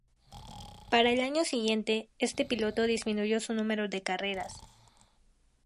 Para el año siguiente, este piloto disminuyó su número de carreras.